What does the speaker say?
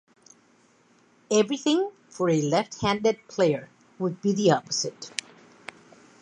Everything for a left-handed player would be the opposite.